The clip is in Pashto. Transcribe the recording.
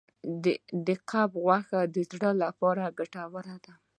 د کب غوښه د زړه لپاره ګټوره ده.